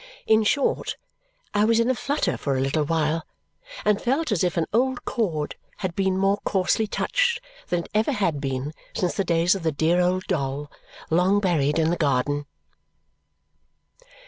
In short, I was in a flutter for a little while and felt as if an old chord had been more coarsely touched than it ever had been since the days of the dear old doll, long buried in the garden.